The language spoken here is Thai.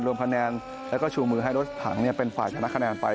รวมคะแนนแล้วก็ชูมือให้รถถังเป็นฝ่ายชนะคะแนนไป